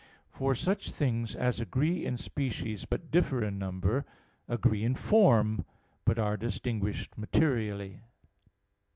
For such things as agree in species but differ in number, agree in form, but are distinguished materially.